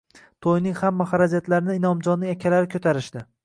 To`yning hamma harajatlarini Inomjonning akalari ko`tarishdi